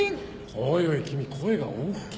・おいおい君声が大きいって。